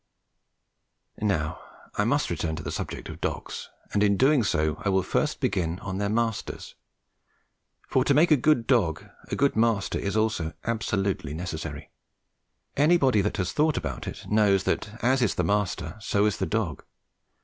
Now I must return to the subject of dogs, and in doing so I will first begin on their masters, for to make a good dog, a good master is also absolutely necessary. Anybody that has thought about it knows that as is the master, so is the dog.